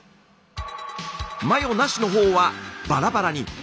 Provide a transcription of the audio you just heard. マヨなしのほうはバラバラに。